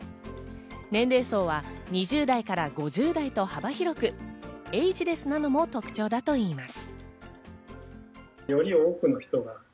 年齢層は２０代から５０代と幅広くエージレスなのも特徴だといいます。